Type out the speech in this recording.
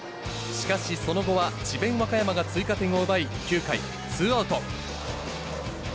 しかし、その後は智弁和歌山が追加点を奪い、９回、ツーアウト。